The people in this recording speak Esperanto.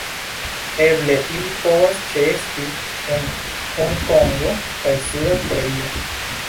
Eble ili povas ĉeesti en Hongkongo kaj Suda Koreio.